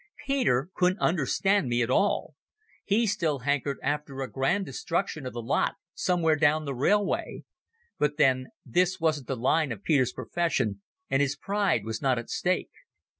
Peter couldn't understand me at all. He still hankered after a grand destruction of the lot somewhere down the railway. But then, this wasn't the line of Peter's profession, and his pride was not at stake.